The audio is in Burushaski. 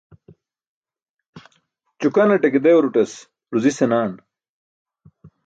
Ćukanaṭe ke dewrutas ruzi senaaan.